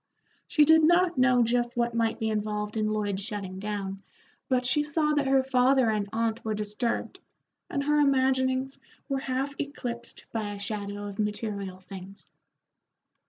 She did not know just what might be involved in Lloyd's shutting down, but she saw that her father and aunt were disturbed, and her imaginings were half eclipsed by a shadow of material things.